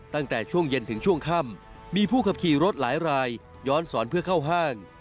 ตั้งแต่ช่วงเย็นถึงช่วงค่ำมีผู้ขับขี่รถหลายรายย้อนสอนเพื่อเข้าห้าง